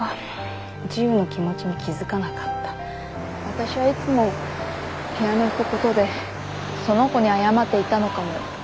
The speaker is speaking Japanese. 私はいつもピアノを弾くことでその子に謝っていたのかも。